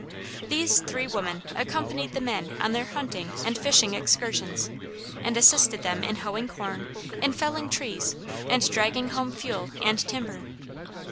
These three women accompanied the men on their hunting and fishing excursions and assisted them in hoeing corn, in felling trees, and dragging home fuel and timber.